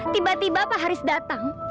tiba tiba pak haris datang